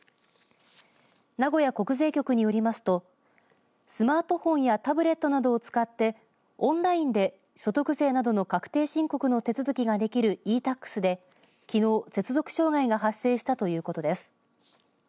名古屋国税局によりますとスマートフォンやタブレットなどを使ってオンラインで所得税などの確定申告の手続きができるｅ‐Ｔａｘできのう、接続障害が発生したということです。